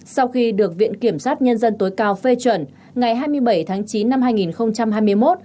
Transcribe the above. sau khi được viện kiểm sát nhân dân tối cao phê chuẩn ngày hai mươi bảy tháng chín năm hai nghìn hai mươi một